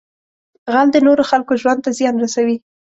غل د نورو خلکو ژوند ته زیان رسوي